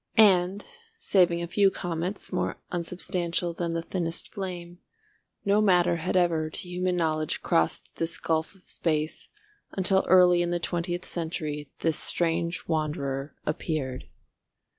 And, saving a few comets more unsubstantial than the thinnest flame, no matter had ever to human knowledge crossed this gulf of space, until early in the twentieth century this strange wanderer appeared.